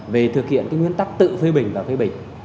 về thực hiện cái nguyên tắc tự phê bình và phê bình